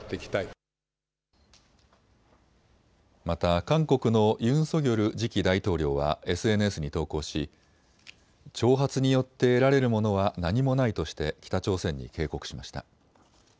また韓国のユン・ソギョル次期大統領はＳＮＳに投稿し、挑発によって得られるものは何もないとして北朝鮮に警告しました。